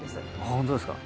本当ですか。